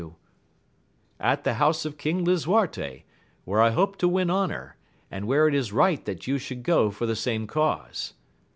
71 you 1 — ^At the house of King Lisuarte, where I hope to win honour, and where it is right that you should go for the same cause.